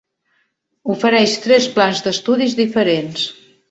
Ofereix tres plans d'estudis diferents.